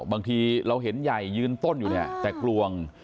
บางทีเราเห็นใหญ่ยืนต้นอยู่เนี่ยแต่กลวง